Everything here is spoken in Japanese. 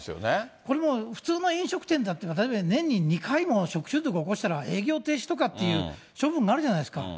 これも普通の飲食店だったら例えば年に２回も食中毒起こしたら、営業停止とかっていう処分になるじゃないですか。